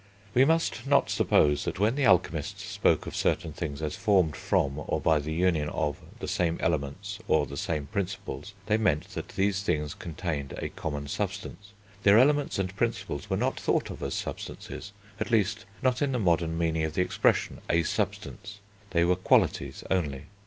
We must not suppose that when the alchemists spoke of certain things as formed from, or by the union of, the same Elements or the same Principles, they meant that these things contained a common substance. Their Elements and Principles were not thought of as substances, at least not in the modern meaning of the expression, a substance; they were qualities only.